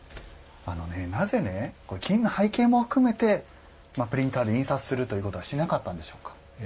あのねなぜ金の背景も含めてプリンターで印刷するということをしなかったんでしょうか？